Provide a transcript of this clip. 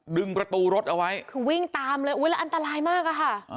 ดึงประตูรถเอาไว้คือวิ่งตามเลยอุ้ยแล้วอันตรายมากอะค่ะ